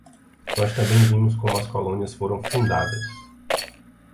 Nós também vimos como as colônias foram fundadas.